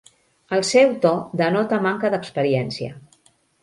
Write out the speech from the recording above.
El seu to denota manca d'experiència.